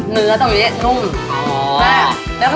เนื้อตรงนี้นุ่ม